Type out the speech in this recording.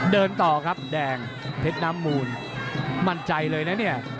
เดินต่อครับแดงเพชรน้ำมูลมั่นใจเลยนะเนี่ย